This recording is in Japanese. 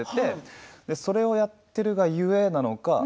それをやっているが故なのか。